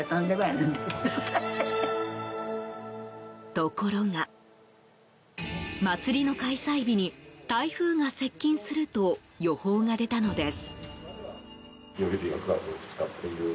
ところが、祭りの開催日に台風が接近すると予報が出たのです。